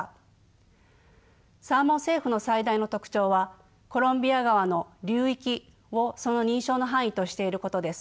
サーモン・セーフの最大の特徴はコロンビア川の流域をその認証の範囲としていることです。